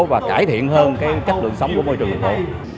và cải thiện hơn cái chất lượng sống của môi trường thành phố